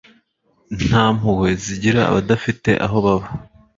nta mpuhwe zigira abadafite aho baba